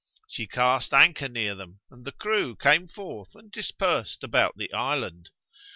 She cast anchor near them and the crew came forth and dispersed about the island.